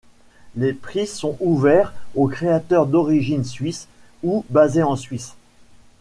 Les Prix sont ouverts aux créateurs d'origine suisse, ou basés en Suisse.